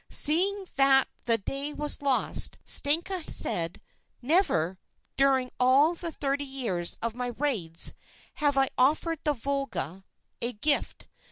Seeing that the day was lost, Stenka said: 'Never, during all the thirty years of my raids, have I offered the Volga a gift.